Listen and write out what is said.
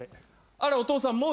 あらお父さん